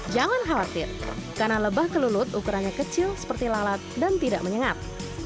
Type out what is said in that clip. jangan khawatir karena lebah kelulut ukurannya kecil seperti lalat dan tidak menyengat